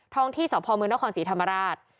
ท่องที่สมนศรีธรรมราช